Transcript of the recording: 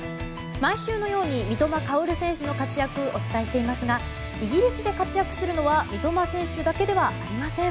毎週のように三笘薫選手の活躍をお伝えしていますがイギリスで活躍するのは三笘選手だけではありません。